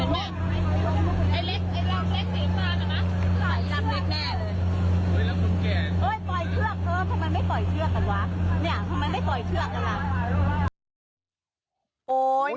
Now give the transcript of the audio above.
โอ้ยเล็กสูงแก่